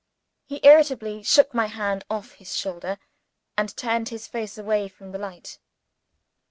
He irritably shook my hand off his shoulder, and turned his face away from the light.